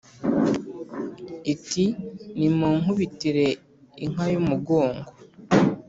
iti : nimunkubitire inka y’umugongo